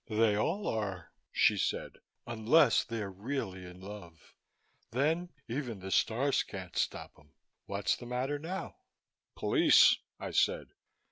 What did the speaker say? "They all are," she said, "unless they're really in love. Then even the stars can't stop 'em. What's the matter now?" "Police," I said.